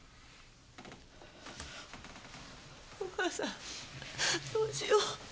お母さんどうしよう。